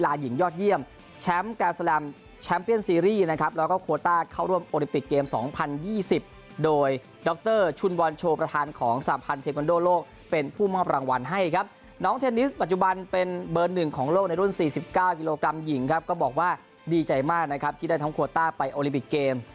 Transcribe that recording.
หญิงยอดเยี่ยมแชมป์แกนสแหลมแชมป์เปียนซีรีส์นะครับแล้วก็โคต้เข้าร่วมโอลิปิกเกมส์๒๐๒๐โดยดรชุนวัลโชว์ประธานของสหพันธุ์เทคโนโลกเป็นผู้มอบรางวัลให้ครับน้องเทนนิสปัจจุบันเป็นเบอร์หนึ่งของโลกในรุ่น๔๙กิโลกรัมหญิงครับก็บอกว่าดีใจมากนะครับที่ได้ทั้งโคต้ไปโอลิปิกเกม